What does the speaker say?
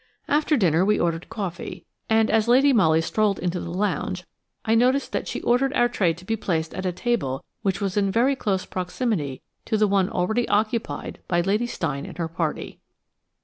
After dinner we ordered coffee, and as Lady Molly strolled through into the lounge, I noticed that she ordered our tray to be placed at a table which was in very close proximity to one already occupied by Lady Steyne and her party.